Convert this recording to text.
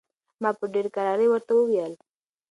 ما په ډېرې کرارۍ ورته وویل.